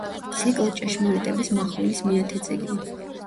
ციკლ „ჭეშმარიტების მახვილის“ მეათე წიგნი.